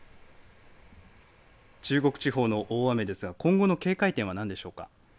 中国地方の大雨ですが今後の警戒点は何でしょうか。